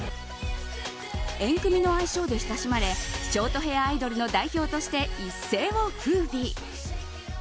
えんくみの愛称で親しまれショートヘアアイドルの代表として一世を風靡。